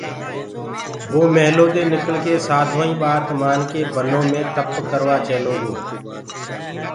وو مِيهلودي نڪݪڪي سآڌوآئيٚنٚ ٻآت مآنڪي بنو مي تپَ ڪروآ چيلوگو